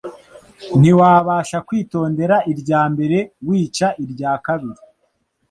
Ntiwabasha kwitondera irya mbere wica irya kabiri,